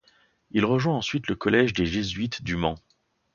Il rejoint ensuite le collège des jésuites du Mans.